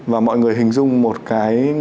và mọi người hình dung một cái